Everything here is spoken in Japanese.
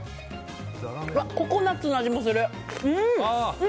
ココナツの味もする。